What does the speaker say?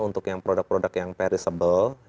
untuk yang produk produk yang perishable